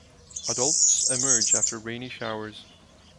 Adults emerge after rainy showers.